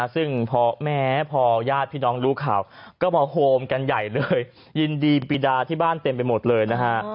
ซึ่งพอแม้พอญาติพี่น้องรู้ข่าวก็มาโฮมกันใหญ่เลยยินดีปีดาที่บ้านเต็มไปหมดเลยนะฮะ